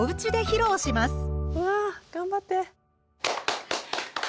うわ頑張って！